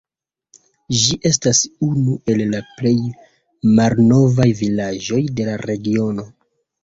Ĝi estas unu el la plej malnovaj vilaĝoj de la regiono.